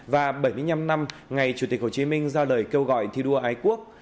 và bảy mươi năm năm ngày chủ tịch hồ chí minh ra lời kêu gọi thi đua ái quốc